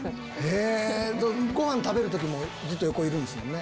ご飯食べる時もずっと横いるんすもんね。